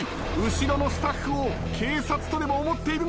後ろのスタッフを警察とでも思っているのか？